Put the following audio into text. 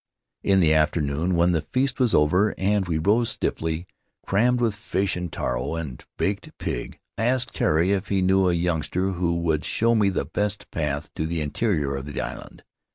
In the afternoon, when the feast was over and we rose stiffly, crammed with fish and taro and baked The Land of Ahu Ahu pig, I asked Tari if he knew a youngster who would show me the best path to the interior of the island.